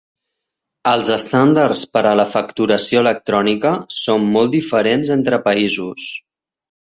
Els estàndards per a la facturació electrònica són molt diferents entre països.